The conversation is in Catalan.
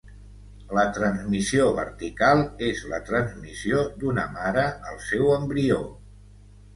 La transmissió vertical és la transmissió d’una mare al seu embrió.